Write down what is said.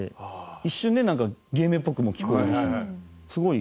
一瞬ねなんか芸名っぽくも聞こえるしすごい